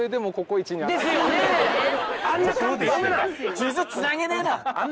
数珠つなげねぇな。